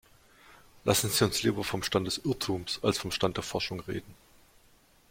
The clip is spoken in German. Lassen Sie uns lieber vom Stand des Irrtums als vom Stand der Forschung reden.